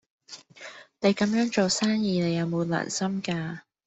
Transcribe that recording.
你咁樣做生意，你有冇良心㗎？